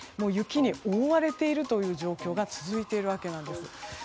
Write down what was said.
雪に覆われているという状況が続いているわけなんです。